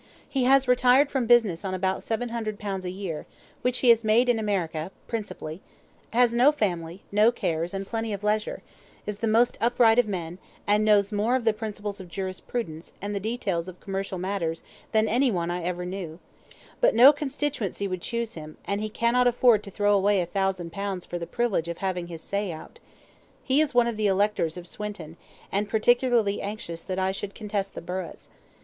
He has retired from business on about 700 pounds a year which he has made in America, principally has no family, no cares, and plenty of leisure is the most upright of men, and knows more of the principles of jurisprudence, and the details of commercial matters than any one I ever knew; but no constituency would choose him, and he cannot afford to throw away a thousand pounds for the privilege of having his say out. He is one of the electors of Swinton, and particularly anxious that I should contest the burghs.